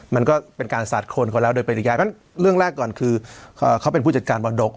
มันก็เป็นการสาดคนก็แล้วโดยเปรยายเรื่องแรกก่อนคือเขาเป็นผู้จัดการมรดก